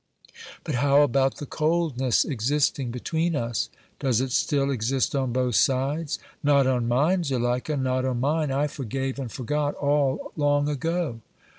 "But how about the coldness existing between us?" "Does it still exist on both sides?" "Not on mine, Zuleika, not on mine. I forgave and forgot all long ago."